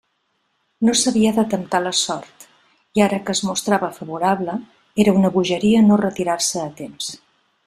No s'havia de temptar la sort; i ara que es mostrava favorable, era una bogeria no retirar-se a temps.